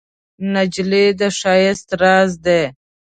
نجلۍ د ښایست راز ده.